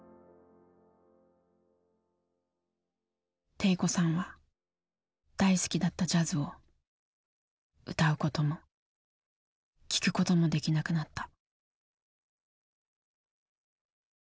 悌子さんは大好きだったジャズを歌うことも聴くこともできなくなった。